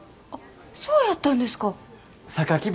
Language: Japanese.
あっそうやったんですか。